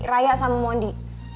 raya sama mondi